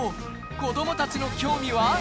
子どもたちの興味は。